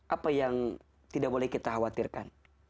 apa yang tidak boleh kita khawatirkan